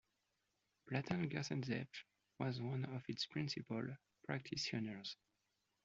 Platon Kerzhentsev was one of its principal practitioners.